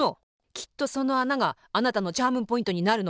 きっとそのあながあなたのチャームポイントになるの。